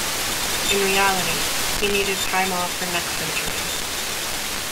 In reality, he needed time off for neck surgery.